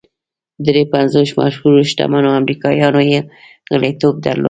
درې پنځوس مشهورو شتمنو امریکایانو یې غړیتوب درلود